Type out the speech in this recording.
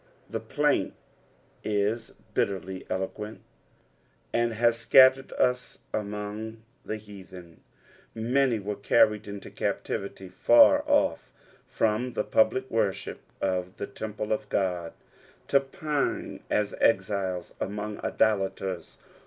The plaint is bitterly eloquent. "AyidAoMt aeattend lu maoag the keatha^." Many were carried into captivity, far off from the public worship of tbe temple of Qod, to pine as exiles among idolaters.